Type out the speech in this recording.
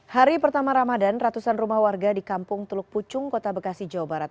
hari pertama ramadan ratusan rumah warga di kampung teluk pucung kota bekasi jawa barat